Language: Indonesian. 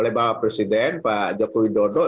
oleh bapak presiden pak jokowi dodo